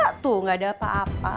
gak ada apa apa